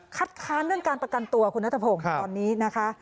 คัดค้านด้านการประกันตัวคุณนัทธพงษ์ค่ะตอนนี้นะคะ